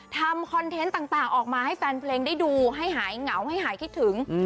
คอนเทนต์ต่างออกมาให้แฟนเพลงได้ดูให้หายเหงาให้หายคิดถึง